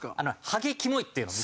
「ハゲキモい」っていうの。